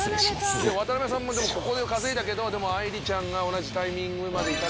渡部さんもここで稼いだけどでもあいりちゃんが同じタイミングまでいたから。